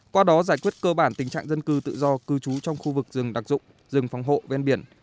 qua đó giải quyết cơ bản tình trạng dân cư tự do cư trú trong khu vực rừng đặc dụng rừng phòng hộ ven biển